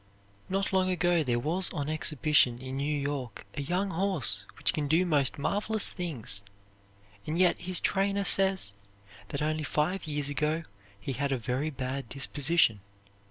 Not long ago there was on exhibition in New York a young horse which can do most marvelous things; and yet his trainer says that only five years ago he had a very bad disposition.